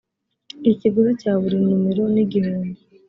ikiguzi cya buri numero nigihumbi